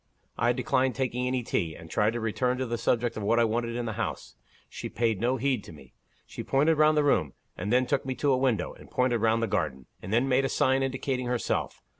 I declined taking any tea, and tried to return to the subject of what I wanted in the house. She paid no heed to me. She pointed round the room; and then took me to a window, and pointed round the garden and then made a sign indicating herself.